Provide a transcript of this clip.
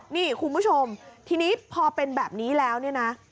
นี่คุณผู้ชมทีนี้พอเป็นแบบนี้แล้วเนี่ยนะ